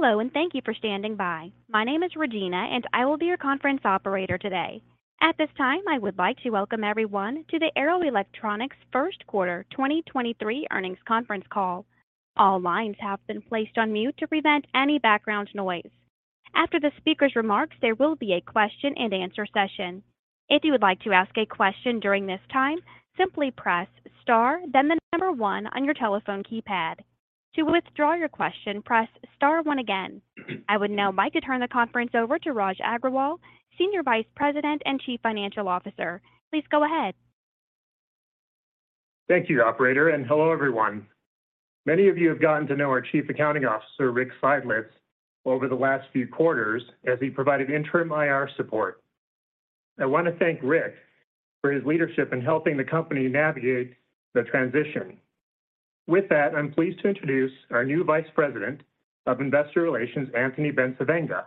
Hello, and thank you for standing by. My name is Regina, and I will be your conference operator today. At this time, I would like to welcome everyone to the Arrow Electronics first quarter 2023 earnings conference call. All lines have been placed on mute to prevent any background noise. After the speaker's remarks, there will be a question-and-answer session. If you would like to ask a question during this time, simply press star, then the number one on your telephone keypad. To withdraw your question, press star one again. I would now like to turn the conference over to Raj Agrawal, Senior Vice President and Chief Financial Officer. Please go ahead. Thank you, operator. Hello, everyone. Many of you have gotten to know our Chief Accounting Officer, Rick Seidl, over the last few quarters as he provided interim IR support. I want to thank Rick for his leadership in helping the company navigate the transition. With that, I'm pleased to introduce our new Vice President of Investor Relations, Anthony Bencivenga.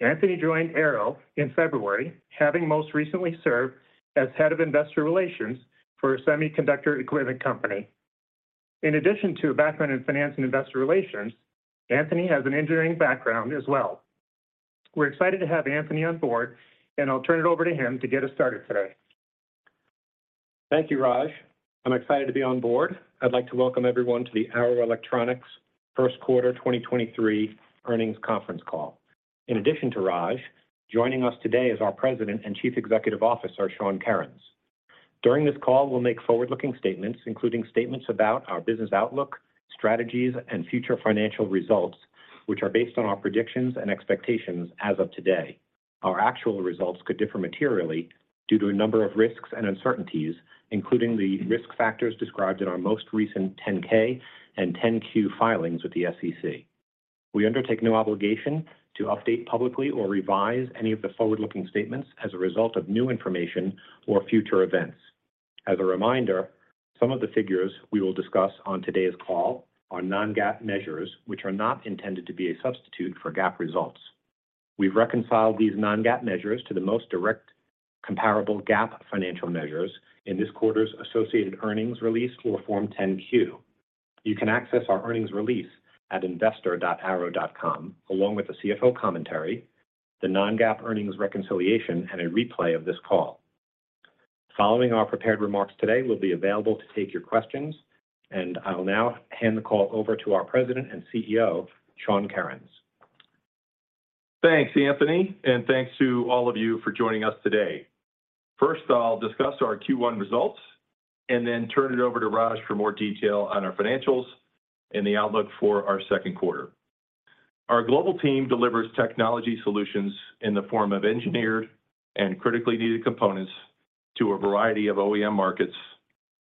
Anthony joined Arrow in February, having most recently served as Head of Investor Relations for a semiconductor equipment company. In addition to a background in finance and investor relations, Anthony has an engineering background as well. We're excited to have Anthony on board, and I'll turn it over to him to get us started today. Thank you, Raj. I'm excited to be on board. I'd like to welcome everyone to the Arrow Electronics first quarter 2023 earnings conference call. In addition to Raj, joining us today is our President and Chief Executive Officer, Sean Kerins. During this call, we'll make forward-looking statements, including statements about our business outlook, strategies, and future financial results, which are based on our predictions and expectations as of today. Our actual results could differ materially due to a number of risks and uncertainties, including the risk factors described in our most recent Form 10-K and Form 10-Q filings with the SEC. We undertake no obligation to update publicly or revise any of the forward-looking statements as a result of new information or future events. As a reminder, some of the figures we will discuss on today's call are non-GAAP measures, which are not intended to be a substitute for GAAP results. We've reconciled these non-GAAP measures to the most direct comparable GAAP financial measures in this quarter's associated earnings release or Form 10-Q. You can access our earnings release at investor.arrow.com, along with the CFO commentary, the non-GAAP earnings reconciliation, and a replay of this call. Following our prepared remarks today, we'll be available to take your questions. I will now hand the call over to our President and CEO, Sean Kerins. Thanks, Anthony, thanks to all of you for joining us today. First, I'll discuss our Q1 results then turn it over to Raj for more detail on our financials and the outlook for our second quarter. Our global team delivers technology solutions in the form of engineered and critically needed components to a variety of OEM markets,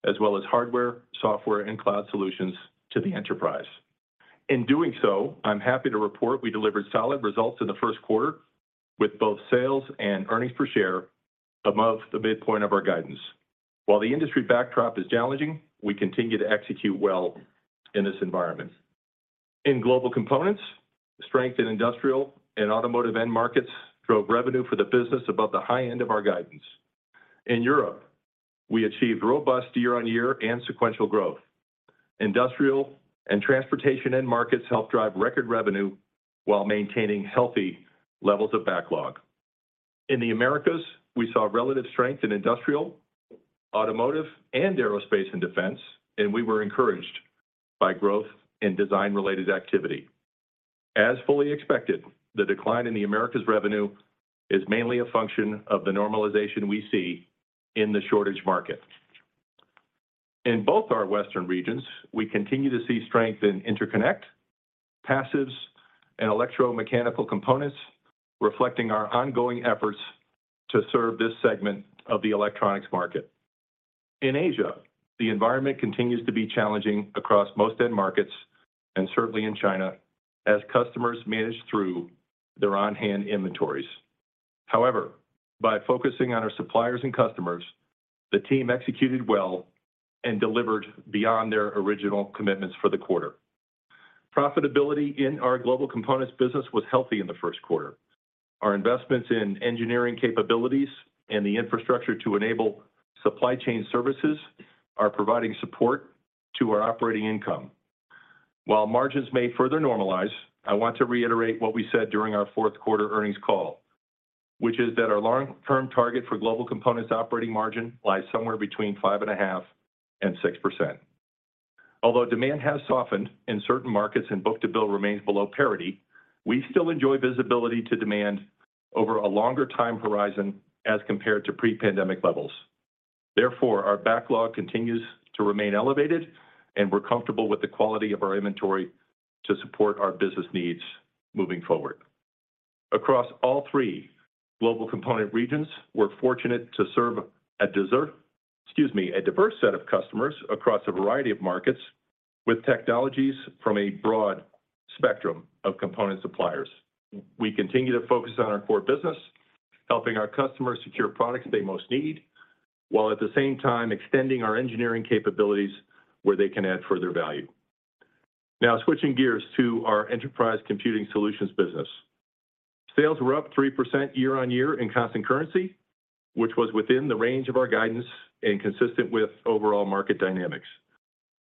as well as hardware, software, and cloud solutions to the enterprise. In doing so, I'm happy to report we delivered solid results in the first quarter with both sales and earnings per share above the midpoint of our guidance. While the industry backdrop is challenging, we continue to execute well in this environment. In Global Components, strength in industrial and automotive end markets drove revenue for the business above the high end of our guidance. In Europe, we achieved robust year-on-year and sequential growth. Industrial and transportation end markets helped drive record revenue while maintaining healthy levels of backlog. In the Americas, we saw relative strength in industrial, automotive, and aerospace and defense, and we were encouraged by growth in design-related activity. As fully expected, the decline in the Americas revenue is mainly a function of the normalization we see in the shortage market. In both our Western regions, we continue to see strength in interconnect, passives, and electromechanical components, reflecting our ongoing efforts to serve this segment of the electronics market. In Asia, the environment continues to be challenging across most end markets and certainly in China as customers manage through their on-hand inventories. However, by focusing on our suppliers and customers, the team executed well and delivered beyond their original commitments for the quarter. Profitability in our Global Components business was healthy in the first quarter. Our investments in engineering capabilities and the infrastructure to enable supply chain services are providing support to our operating income. While margins may further normalize, I want to reiterate what we said during our fourth-quarter earnings call, which is that our long-term target for Global Components operating margin lies somewhere between 5.5% and 6%. Although demand has softened in certain markets and book-to-bill remains below parity, we still enjoy visibility to demand over a longer time horizon as compared to pre-pandemic levels. Therefore, our backlog continues to remain elevated, and we're comfortable with the quality of our inventory to support our business needs moving forward. Across all three Global Components regions, we're fortunate to serve a diverse set of customers across a variety of markets with technologies from a broad spectrum of component suppliers. We continue to focus on our core business, helping our customers secure products they most need, while at the same time extending our engineering capabilities where they can add further value. Switching gears to our Enterprise Computing Solutions business. Sales were up 3% year-on-year in constant currency, which was within the range of our guidance and consistent with overall market dynamics.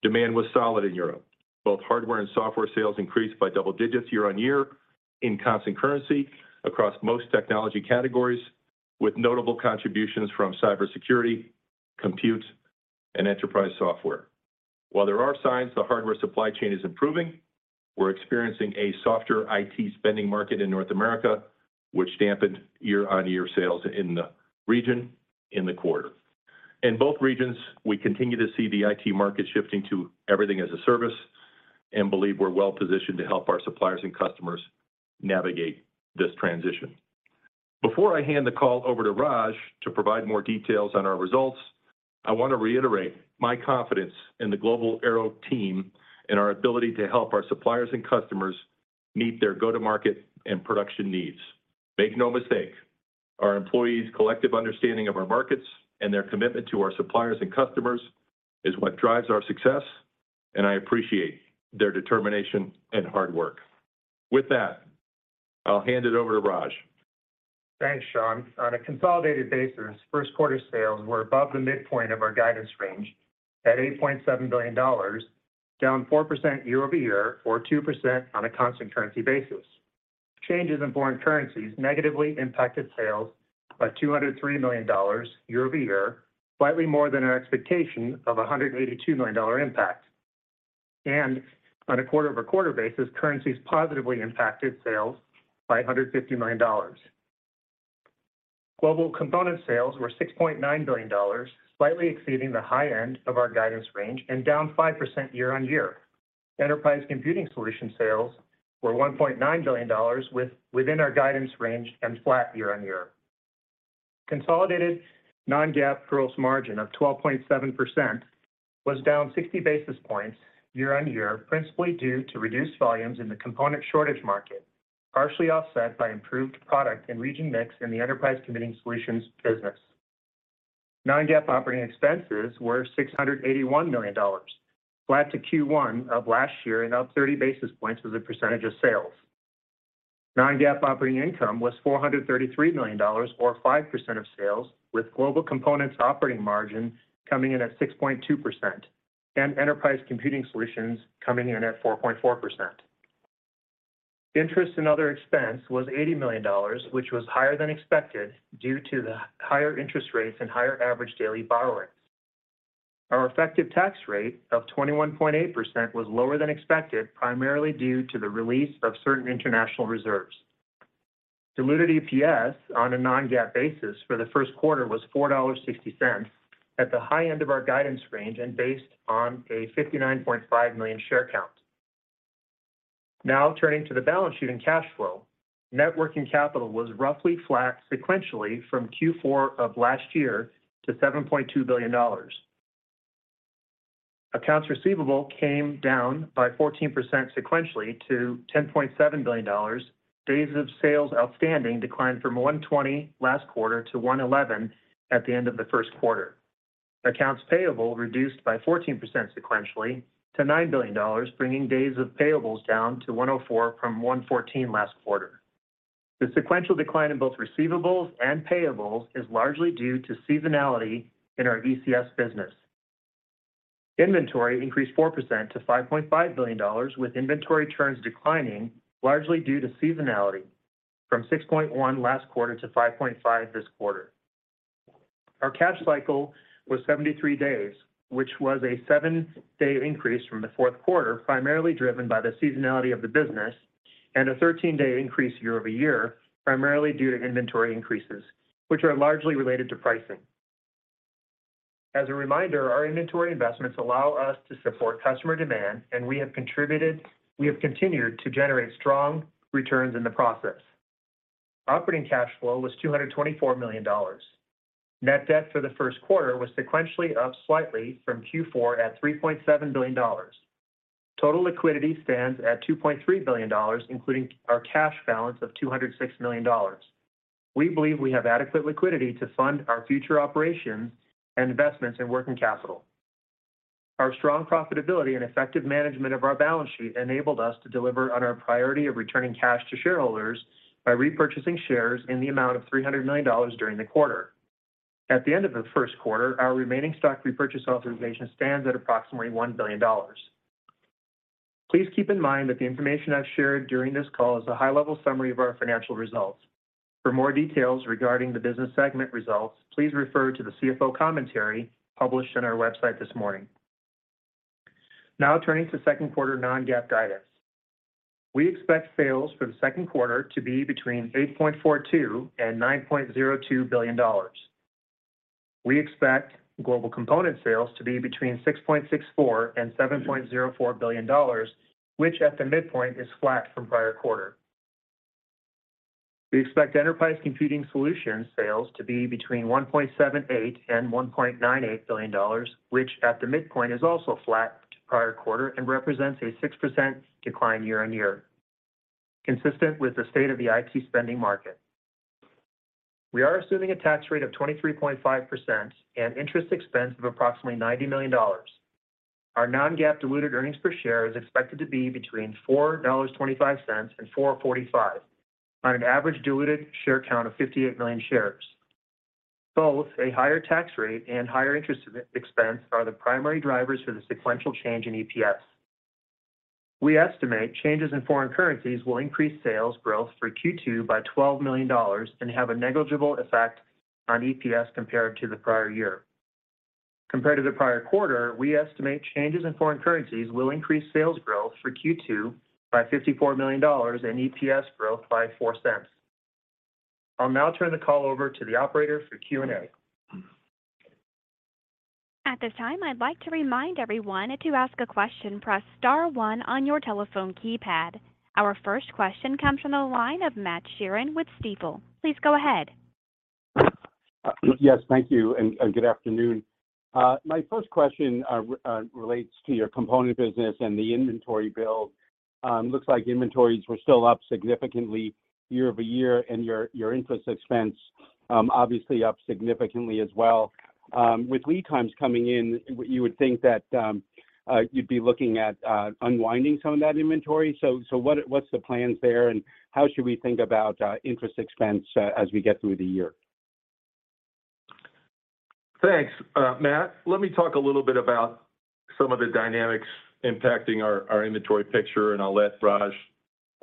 Demand was solid in Europe. Both hardware and software sales increased by double digits year-on-year in constant currency across most technology categories, with notable contributions from cybersecurity, compute, and enterprise software. While there are signs the hardware supply chain is improving, we're experiencing a softer IT spending market in North America, which dampened year-on-year sales in the region in the quarter. In both regions, we continue to see the IT market shifting to everything as a service and believe we're well-positioned to help our suppliers and customers navigate this transition. Before I hand the call over to Raj to provide more details on our results, I want to reiterate my confidence in the global Arrow team and our ability to help our suppliers and customers meet their go-to-market and production needs. Make no mistake, our employees' collective understanding of our markets and their commitment to our suppliers and customers is what drives our success, and I appreciate their determination and hard work. With that, I'll hand it over to Raj. Thanks, Sean. On a consolidated basis, first quarter sales were above the midpoint of our guidance range at $8.7 billion, down 4% year-over-year or 2% on a constant currency basis. Changes in foreign currencies negatively impacted sales by $203 million year-over-year, slightly more than our expectation of a $182 million impact. On a quarter-over-quarter basis, currencies positively impacted sales by $150 million. Global Components sales were $6.9 billion, slightly exceeding the high end of our guidance range and down 5% year-on-year. Enterprise Computing Solutions sales were $1.9 billion within our guidance range and flat year-on-year. Consolidated non-GAAP gross margin of 12.7% was down 60 basis points year-over-year, principally due to reduced volumes in the component shortage market, partially offset by improved product and region mix in the Enterprise Computing Solutions business. Non-GAAP operating expenses were $681 million, flat to Q1 of last year and up 30 basis points as a % of sales. Non-GAAP operating income was $433 million or 5% of sales, with Global Components operating margin coming in at 6.2% and Enterprise Computing Solutions coming in at 4.4%. Interest and other expense was $80 million, which was higher than expected due to the higher interest rates and higher average daily borrowings. Our effective tax rate of 21.8% was lower than expected, primarily due to the release of certain international reserves. Diluted EPS on a non-GAAP basis for the first quarter was $4.60 at the high end of our guidance range and based on a 59.5 million share count. Turning to the balance sheet and cash flow. Net working capital was roughly flat sequentially from Q4 of last year to $7.2 billion. Accounts receivable came down by 14% sequentially to $10.7 billion. Days of sales outstanding declined from 120 last quarter to 111 at the end of the first quarter. Accounts payable reduced by 14% sequentially to $9 billion, bringing days of payables down to 104 from 114 last quarter. The sequential decline in both receivables and payables is largely due to seasonality in our ECS business. Inventory increased 4% to $5.5 billion, with inventory turns declining largely due to seasonality from 6.1 last quarter to 5.5 this quarter. Our cash cycle was 73 days, which was a seven-day increase from the fourth quarter, primarily driven by the seasonality of the business and a 13-day increase year-over-year, primarily due to inventory increases, which are largely related to pricing. As a reminder, our inventory investments allow us to support customer demand, and we have continued to generate strong returns in the process. Operating cash flow was $224 million. Net debt for the first quarter was sequentially up slightly from Q4 at $3.7 billion. Total liquidity stands at $2.3 billion, including our cash balance of $206 million. We believe we have adequate liquidity to fund our future operations and investments in working capital. Our strong profitability and effective management of our balance sheet enabled us to deliver on our priority of returning cash to shareholders by repurchasing shares in the amount of $300 million during the quarter. At the end of the first quarter, our remaining stock repurchase authorization stands at approximately $1 billion. Please keep in mind that the information I've shared during this call is a high-level summary of our financial results. For more details regarding the business segment results, please refer to the CFO commentary published on our website this morning. Turning to second quarter non-GAAP guidance. We expect sales for the second quarter to be between $8.42 billion and $9.02 billion. We expect Global Components sales to be between $6.64 billion and $7.04 billion, which at the midpoint is flat from prior quarter. We expect Enterprise Computing Solutions sales to be between $1.78 billion and $1.98 billion, which at the midpoint is also flat to prior quarter and represents a 6% decline year-on-year, consistent with the state of the IT spending market. We are assuming a tax rate of 23.5% and interest expense of approximately $90 million. Our non-GAAP diluted earnings per share is expected to be between $4.25 and $4.45 on an average diluted share count of 58 million shares. Both a higher tax rate and higher interest expense are the primary drivers for the sequential change in EPS. We estimate changes in foreign currencies will increase sales growth for Q2 by $12 million and have a negligible effect on EPS compared to the prior year. Compared to the prior quarter, we estimate changes in foreign currencies will increase sales growth for Q2 by $54 million and EPS growth by $0.04. I'll now turn the call over to the operator for Q&A. At this time, I'd like to remind everyone that to ask a question, press star one on your telephone keypad. Our first question comes from the line of Matt Sheerin with Stifel. Please go ahead. Yes, thank you and good afternoon. My first question relates to your Component business and the inventory build. Looks like inventories were still up significantly year-over-year, and your interest expense obviously up significantly as well. With lead times coming in, you would think that you'd be looking at unwinding some of that inventory. What's the plans there, and how should we think about interest expense as we get through the year? Thanks, Matt. Let me talk a little bit about some of the dynamics impacting our inventory picture, and I'll let Raj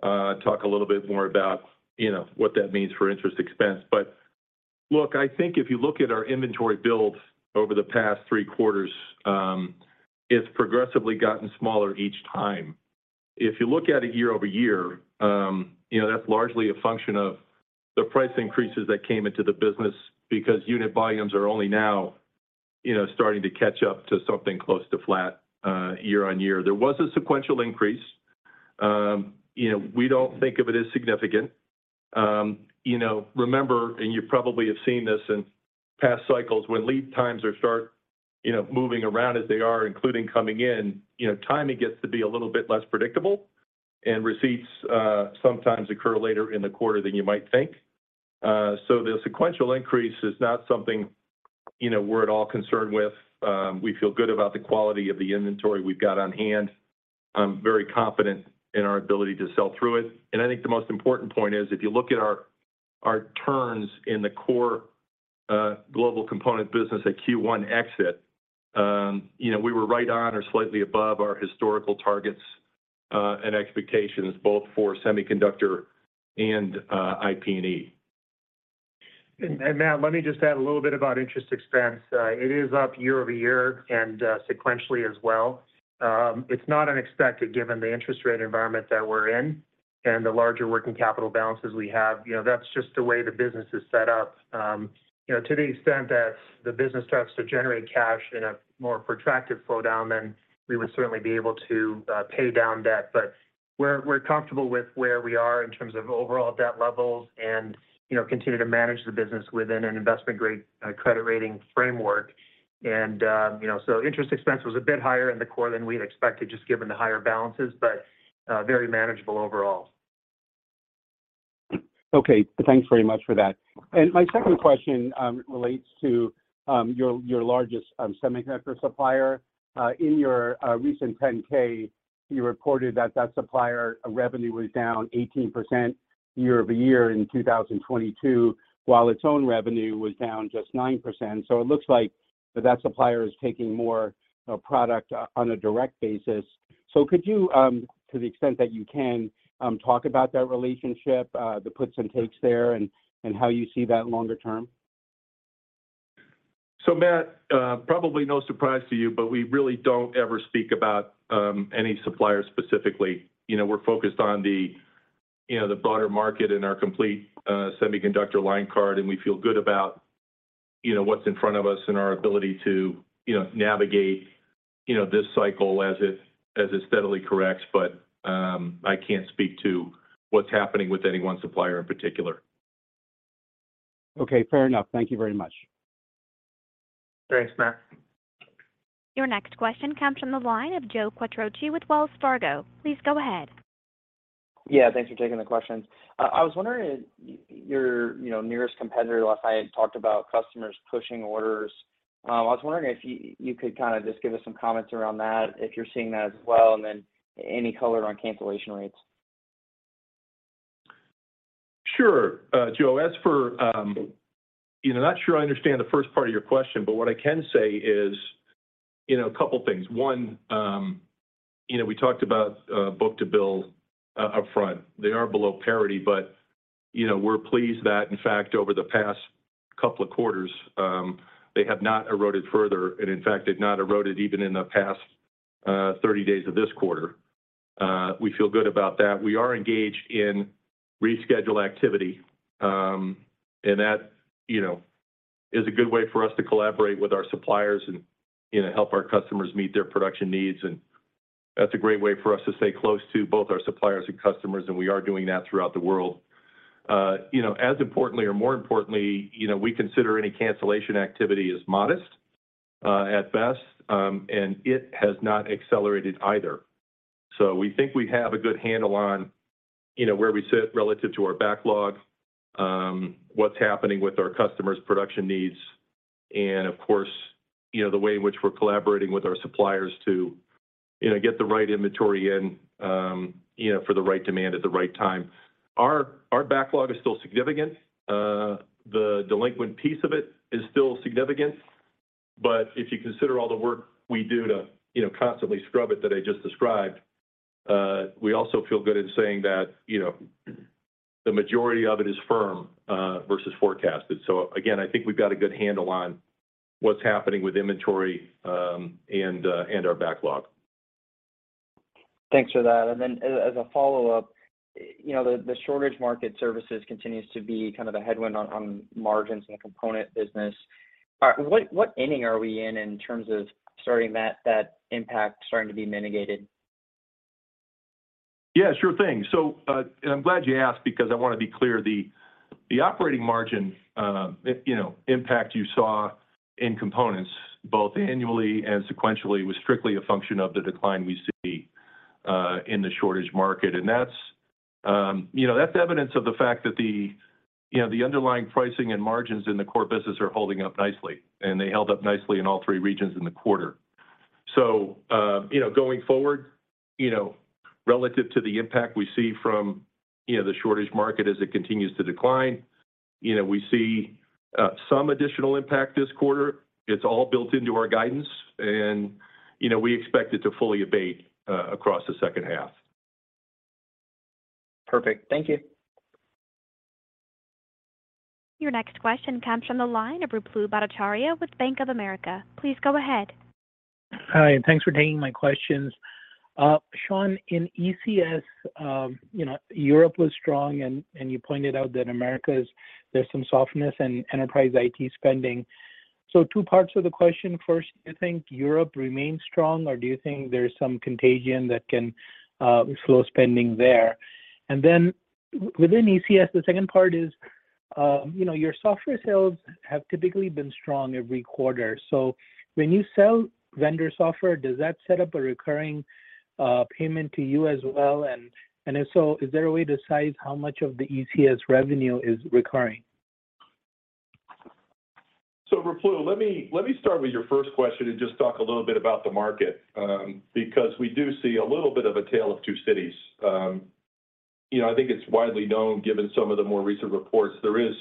talk a little bit more about, you know, what that means for interest expense. Look, I think if you look at our inventory builds over the past three quarters, it's progressively gotten smaller each time. If you look at it year-over-year, you know, that's largely a function of the price increases that came into the business because unit volumes are only now, you know, starting to catch up to something close to flat, year-on-year. There was a sequential increase. You know, we don't think of it as significant. You know, remember, you probably have seen this in past cycles when lead times are moving around as they are, including coming in, you know, timing gets to be a little bit less predictable, receipts sometimes occur later in the quarter than you might think. The sequential increase is not something, you know, we're at all concerned with. We feel good about the quality of the inventory we've got on hand. I'm very confident in our ability to sell through it. I think the most important point is if you look at our turns in the core Global Components business at Q1 exit, you know, we were right on or slightly above our historical targets and expectations both for semiconductor and IP&E. Matt, let me just add a little bit about interest expense. It is up year-over-year and sequentially as well. It's not unexpected given the interest rate environment that we're in and the larger working capital balances we have. You know, that's just the way the business is set up. You know, to the extent that the business starts to generate cash in a more protracted slowdown, then we would certainly be able to pay down debt. We're comfortable with where we are in terms of overall debt levels and, you know, continue to manage the business within an investment grade credit rating framework. You know, interest expense was a bit higher in the core than we'd expected, just given the higher balances, but very manageable overall. Okay. Thanks very much for that. My second question relates to your largest semiconductor supplier. In your recent 10-K, you reported that that supplier revenue was down 18% year-over-year in 2022, while its own revenue was down just 9%. It looks like that supplier is taking more product on a direct basis. Could you, to the extent that you can, talk about that relationship, the puts and takes there and how you see that longer term? Matt, probably no surprise to you, but we really don't ever speak about any supplier specifically. You know, we're focused on the, you know, the broader market and our complete semiconductor line card, and we feel good about, you know, what's in front of us and our ability to, you know, navigate, you know, this cycle as it steadily corrects. I can't speak to what's happening with any one supplier in particular. Okay, fair enough. Thank you very much. Thanks, Matt. Your next question comes from the line of Joe Quatrochi with Wells Fargo. Please go ahead. Yeah, thanks for taking the questions. I was wondering if your, you know, nearest competitor last night talked about customers pushing orders. I was wondering if you could kind of just give us some comments around that, if you're seeing that as well, and then any color on cancellation rates. Sure. Joe, as for, you know, not sure I understand the first part of your question, but what I can say is, you know, a couple of things. One, you know, we talked about book-to-bill upfront. They are below parity, but, you know, we're pleased that, in fact, over the past couple of quarters, they have not eroded further and in fact had not eroded even in the past 30 days of this quarter. We feel good about that. We are engaged in reschedule activity, and that, you know, is a good way for us to collaborate with our suppliers and, you know, help our customers meet their production needs. That's a great way for us to stay close to both our suppliers and customers, and we are doing that throughout the world. You know, as importantly or more importantly, you know, we consider any cancellation activity as modest at best, and it has not accelerated either. We think we have a good handle on, you know, where we sit relative to our backlog, what's happening with our customers' production needs, and of course, you know, the way in which we're collaborating with our suppliers to, you know, get the right inventory in, you know, for the right demand at the right time. Our backlog is still significant. The delinquent piece of it is still significant. If you consider all the work we do to, you know, constantly scrub it that I just described, we also feel good in saying that, you know, the majority of it is firm versus forecasted. Again, I think we've got a good handle on what's happening with inventory, and our backlog. Thanks for that. As a follow-up, you know, the shortage market services continues to be kind of a headwind on margins in the Component business. What inning are we in in terms of starting that impact starting to be mitigated? Yeah, sure thing. I'm glad you asked because I wanna be clear. The operating margin, you know, impact you saw in components both annually and sequentially was strictly a function of the decline we see in the shortage market. That's, you know, that's evidence of the fact that the, you know, the underlying pricing and margins in the core business are holding up nicely, and they held up nicely in all three regions in the quarter. You know, going forward, you know, relative to the impact we see from, you know, the shortage market as it continues to decline, you know, we see some additional impact this quarter. It's all built into our guidance and, you know, we expect it to fully abate across the second half. Perfect. Thank you. Your next question comes from the line of Ruplu Bhattacharya with Bank of America. Please go ahead. Hi, thanks for taking my questions. Sean, in ECS, you know, Europe was strong and you pointed out that Americas there's some softness in enterprise IT spending. Two parts of the question. First, do you think Europe remains strong, or do you think there's some contagion that can slow spending there? Within ECS, the second part is, you know, your software sales have typically been strong every quarter. When you sell vendor software, does that set up a recurring payment to you as well? If so, is there a way to size how much of the ECS revenue is recurring? Ruplu, let me start with your first question and just talk a little bit about the market, because we do see a little bit of a tale of two cities. You know, I think it's widely known given some of the more recent reports there is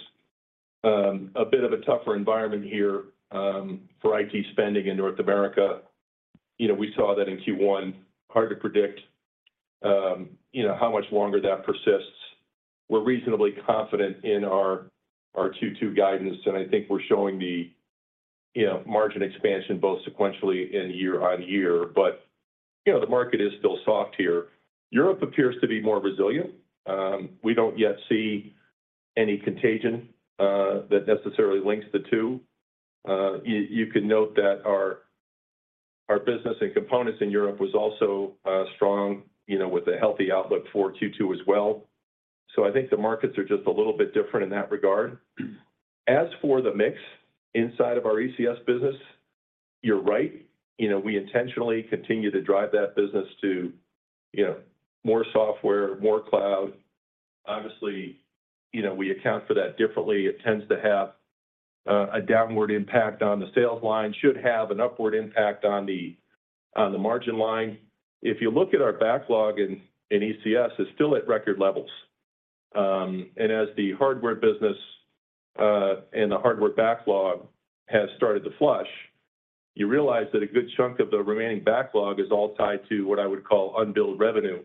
a bit of a tougher environment here for IT spending in North America. You know, we saw that in Q1. Hard to predict, you know, how much longer that persists. We're reasonably confident in our Q2 guidance, and I think we're showing the, you know, margin expansion both sequentially and year-over-year. The market is still soft here. Europe appears to be more resilient. We don't yet see any contagion that necessarily links the two. You can note that our business and components in Europe was also strong, you know, with a healthy outlook for Q2 as well. I think the markets are just a little bit different in that regard. As for the mix inside of our ECS business, you're right. You know, we intentionally continue to drive that business to, you know, more software, more cloud. Obviously, you know, we account for that differently. It tends to have a downward impact on the sales line, should have an upward impact on the, on the margin line. If you look at our backlog in ECS, it's still at record levels. As the hardware business and the hardware backlog has started to flush, you realize that a good chunk of the remaining backlog is all tied to what I would call unbilled revenue,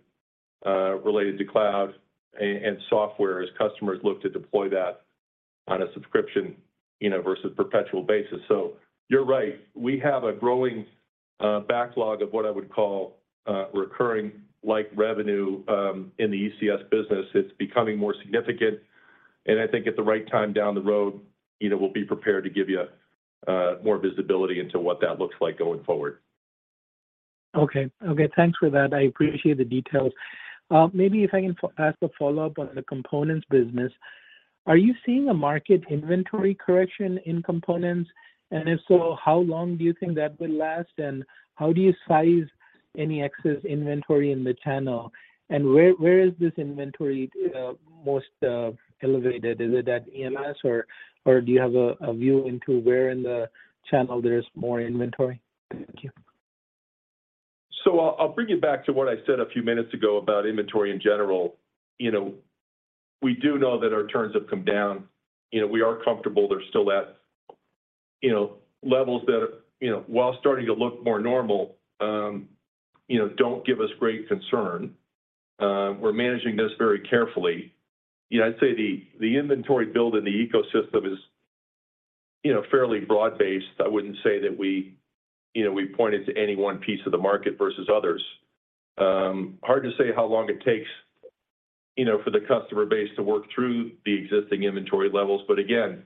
related to cloud and software as customers look to deploy that on a subscription, you know, versus perpetual basis. You're right. We have a growing backlog of what I would call recurring like revenue in the ECS business. It's becoming more significant, and I think at the right time down the road, you know, we'll be prepared to give you more visibility into what that looks like going forward. Okay. Okay, thanks for that. I appreciate the details. Maybe if I can ask a follow-up on the components business. Are you seeing a market inventory correction in components? If so, how long do you think that will last, and how do you size any excess inventory in the channel? Where is this inventory most elevated? Is it at EMS or do you have a view into where in the channel there is more inventory? Thank you. I'll bring you back to what I said a few minutes ago about inventory in general. You know, we do know that our turns have come down. You know, we are comfortable. They're still at, you know, levels that are, you know, while starting to look more normal, you know, don't give us great concern. We're managing this very carefully. You know, I'd say the inventory build in the ecosystem is, you know, fairly broad-based. I wouldn't say that we, you know, we pointed to any one piece of the market versus others. Hard to say how long it takes, you know, for the customer base to work through the existing inventory levels. Again,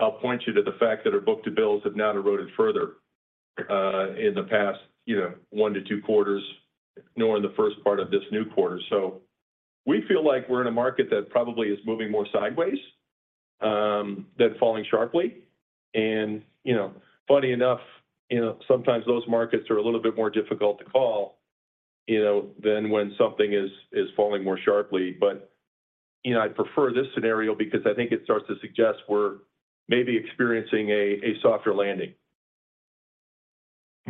I'll point you to the fact that our book-to-bills have now eroded further, in the past, you know, one to two quarters nor in the first part of this new quarter. We feel like we're in a market that probably is moving more sideways, then falling sharply. You know, funny enough, you know, sometimes those markets are a little bit more difficult to call, you know, than when something is falling more sharply. You know, I prefer this scenario because I think it starts to suggest we're maybe experiencing a softer landing.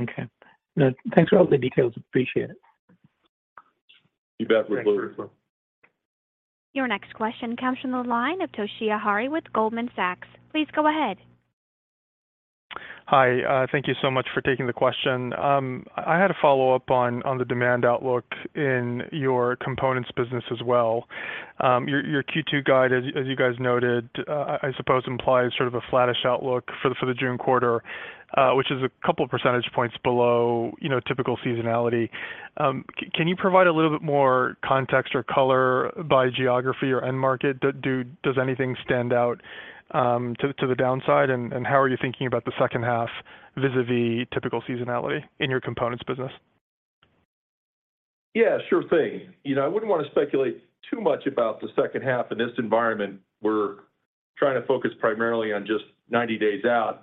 Okay. Thanks for all the details. Appreciate it. You bet. Thanks, Ruplu. Your next question comes from the line of Toshiya Hari with Goldman Sachs. Please go ahead. Hi. Thank you so much for taking the question. I had a follow-up on the demand outlook in your components business as well. Your Q2 guide, as you guys noted, I suppose implies sort of a flattish outlook for the June quarter, which is a couple of percentage points below, you know, typical seasonality. Can you provide a little bit more context or color by geography or end market? Does anything stand out to the downside? How are you thinking about the second half vis-a-vis typical seasonality in your components business? Yeah, sure thing. You know, I wouldn't want to speculate too much about the second half in this environment. We're trying to focus primarily on just 90 days out.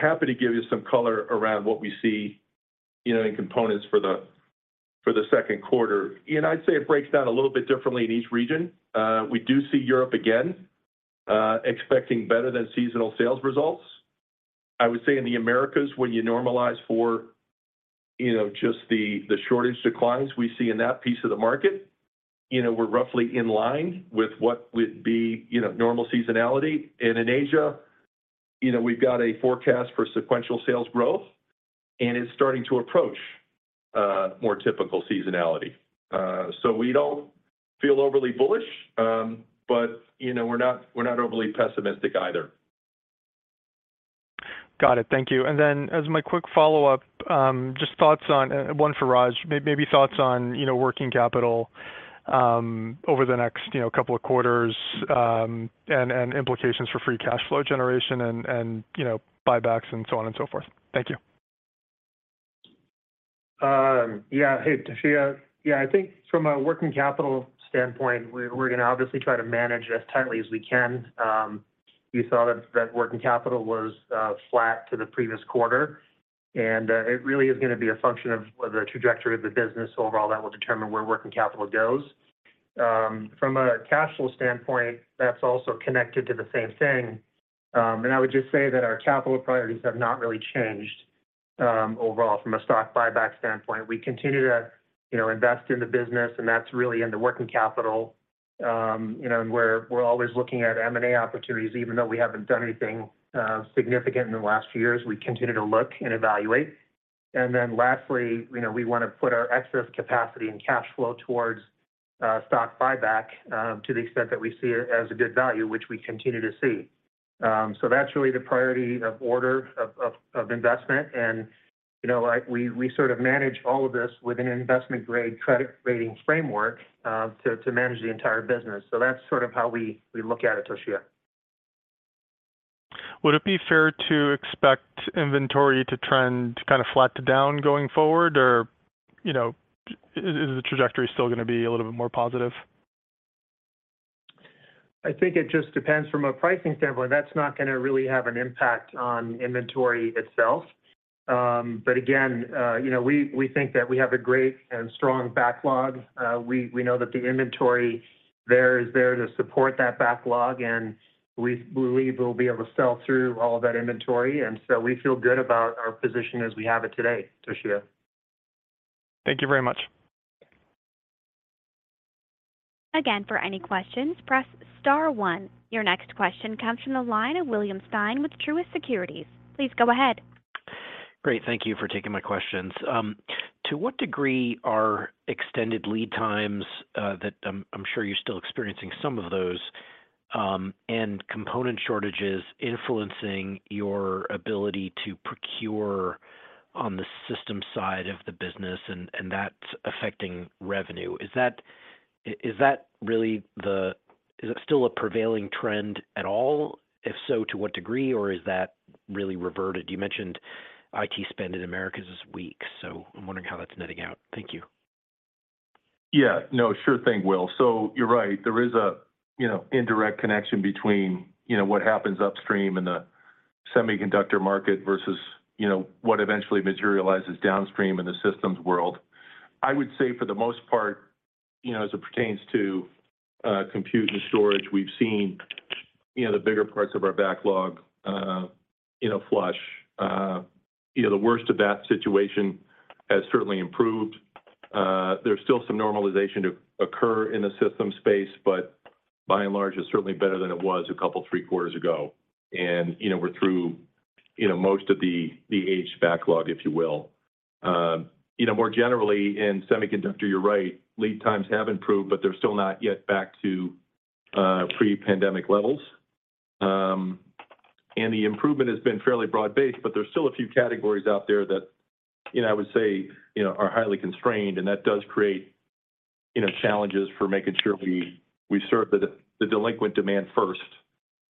Happy to give you some color around what we see, you know, in Global Components for the second quarter. You know, I'd say it breaks down a little bit differently in each region. We do see Europe again, expecting better than seasonal sales results. I would say in the Americas, when you normalize for, you know, just the shortage declines we see in that piece of the market, you know, we're roughly in line with what would be, you know, normal seasonality. In Asia, you know, we've got a forecast for sequential sales growth, and it's starting to approach more typical seasonality. We don't feel overly bullish, but, you know, we're not overly pessimistic either. Got it. Thank you. Then as my quick follow-up, just thoughts on one for Raj, maybe thoughts on, you know, working capital, over the next, you know, couple of quarters, and implications for free cash flow generation and, you know, buybacks and so on and so forth. Thank you. Hey, Toshiya. I think from a working capital standpoint, we're gonna obviously try to manage as tightly as we can. You saw that working capital was flat to the previous quarter. It really is gonna be a function of the trajectory of the business overall that will determine where working capital goes. From a cash flow standpoint, that's also connected to the same thing. I would just say that our capital priorities have not really changed overall from a stock buyback standpoint. We continue to, you know, invest in the business, and that's really in the working capital. You know, we're always looking at M&A opportunities. Even though we haven't done anything significant in the last few years, we continue to look and evaluate. Lastly, you know, we wanna put our excess capacity and cash flow towards stock buyback, to the extent that we see it as a good value, which we continue to see. That's really the priority of order of investment. You know, we sort of manage all of this with an investment-grade credit rating framework, to manage the entire business. That's sort of how we look at it, Toshiya. Would it be fair to expect inventory to trend kind of flat to down going forward? You know, is the trajectory still gonna be a little bit more positive? I think it just depends from a pricing standpoint. That's not gonna really have an impact on inventory itself. Again, you know, we think that we have a great and strong backlog. We, we know that the inventory there is there to support that backlog, we believe we'll be able to sell through all of that inventory. We feel good about our position as we have it today, Toshiya. Thank you very much. For any questions, press star one. Your next question comes from the line of William Stein with Truist Securities. Please go ahead. Great. Thank you for taking my questions. To what degree are extended lead times that I'm sure you're still experiencing some of those, and component shortages influencing your ability to procure on the system side of the business and that's affecting revenue? Is it still a prevailing trend at all? If so, to what degree, or is that really reverted? You mentioned IT spend in Americas is weak, I'm wondering how that's netting out. Thank you. Yeah. No, sure thing, Will. You're right. There is a, you know, indirect connection between, you know, what happens upstream in the semiconductor market versus, you know, what eventually materializes downstream in the systems world. I would say for the most part, you know, as it pertains to compute and storage, we've seen, you know, the bigger parts of our backlog, you know, flush. You know, the worst of that situation has certainly improved. There's still some normalization to occur in the system space, but by and large, it's certainly better than it was a two, three quarters ago. You know, we're through, you know, most of the aged backlog, if you will. You know, more generally in semiconductor, you're right, lead times have improved, but they're still not yet back to pre-pandemic levels. The improvement has been fairly broad-based, but there's still a few categories out there that, you know, I would say, you know, are highly constrained, and that does create, you know, challenges for making sure we serve the delinquent demand first,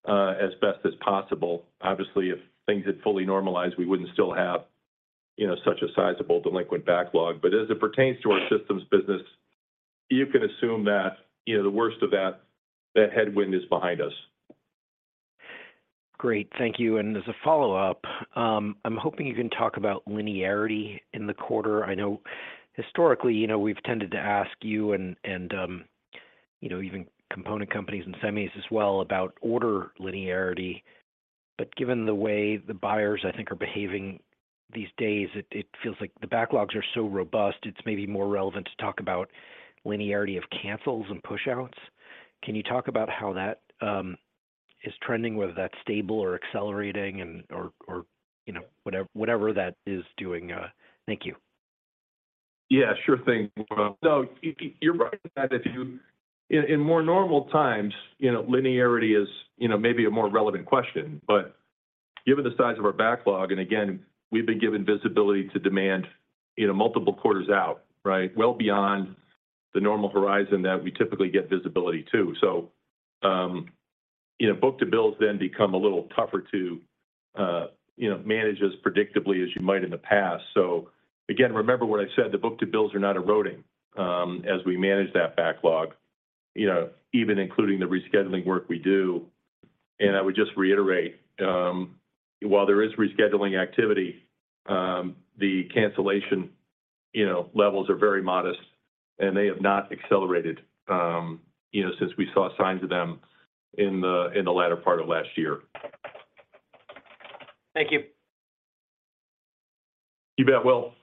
as best as possible. Obviously, if things had fully normalized, we wouldn't still have You know, such a sizable delinquent backlog. As it pertains to our systems business, you can assume that, you know, the worst of that headwind is behind us. Great. Thank you. As a follow-up, I'm hoping you can talk about linearity in the quarter. I know historically, you know, we've tended to ask you and, you know, even component companies and semis as well about order linearity. Given the way the buyers, I think, are behaving these days, it feels like the backlogs are so robust, it's maybe more relevant to talk about linearity of cancels and pushouts. Can you talk about how that is trending, whether that's stable or accelerating and/or, you know, whatever that is doing? Thank you. Yeah, sure thing, Will. You're right that in more normal times, you know, linearity is, you know, maybe a more relevant question. Given the size of our backlog, and again, we've been given visibility to demand, you know, multiple quarters out, right? Well beyond the normal horizon that we typically get visibility to. You know, book-to-bills then become a little tougher to, you know, manage as predictably as you might in the past. Again, remember what I said, the book-to-bills are not eroding, as we manage that backlog, you know, even including the rescheduling work we do. I would just reiterate, while there is rescheduling activity, the cancellation, you know, levels are very modest, and they have not accelerated, you know, since we saw signs of them in the latter part of last year. Thank you. You bet, Will.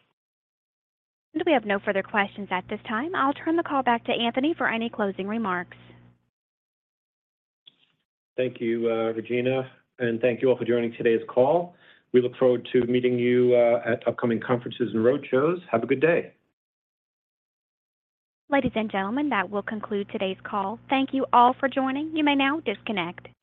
We have no further questions at this time. I'll turn the call back to Anthony for any closing remarks. Thank you, Regina, and thank you all for joining today's call. We look forward to meeting you at upcoming conferences and roadshows. Have a good day. Ladies and gentlemen, that will conclude today's call. Thank you all for joining. You may now disconnect.